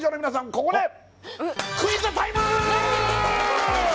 ここでクイズタイムー！